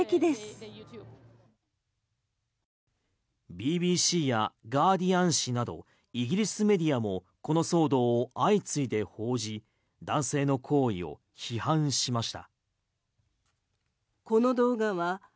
ＢＢＣやガーディアン紙などイギリスメディアもこの騒動を相次いで報じ男性の行為を批判しました。